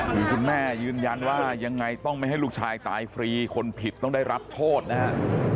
คือคุณแม่ยืนยันว่ายังไงต้องไม่ให้ลูกชายตายฟรีคนผิดต้องได้รับโทษนะครับ